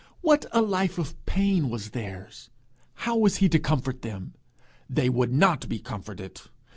What a life of pain was theirs! How was he to comfort them? They would not be comforted!